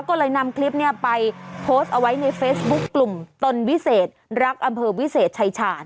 ก็เลยนำคลิปนี้ไปโพสต์เอาไว้ในเฟซบุ๊คกลุ่มตนวิเศษรักอำเภอวิเศษชายชาญ